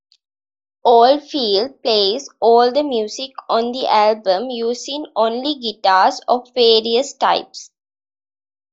Oldfield plays all the music on the album, using only guitars of various types.